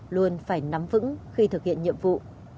luôn phải nắm vững khi thực hiện nhiệm vụ